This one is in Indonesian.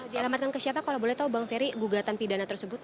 dialamatkan ke siapa kalau boleh tahu bang ferry gugatan pidana tersebut